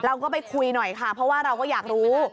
เราก็ไปคุยหน่อยค่ะเพราะว่าเราก็อยากรู้